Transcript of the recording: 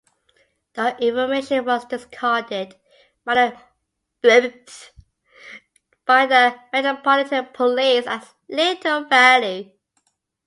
The information was discarded by the Metropolitan Police as little value.